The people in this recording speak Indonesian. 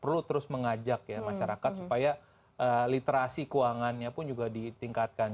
perlu terus mengajak ya masyarakat supaya literasi keuangannya pun juga ditingkatkan